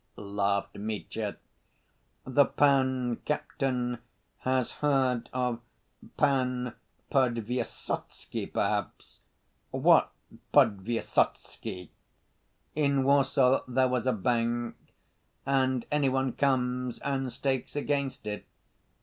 laughed Mitya. "The Pan Captain has heard of Pan Podvysotsky, perhaps?" "What Podvysotsky?" "In Warsaw there was a bank and any one comes and stakes against it.